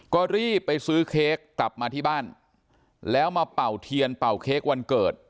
ก็รีบไปซื้อเค้กกลับมาที่บ้านแล้วมาเป่าเทียนเป่าเค้กวันเกิด